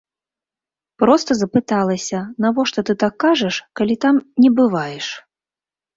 Проста запыталася, навошта ты так кажаш, калі там не бываеш?